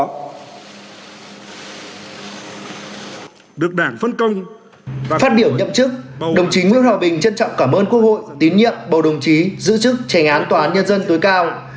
phát biểu nhậm chức đồng chí nguyễn hòa bình trân trọng cảm ơn quốc hội tín nhiệm bầu đồng chí giữ chức tranh án tòa nhân dân tối cao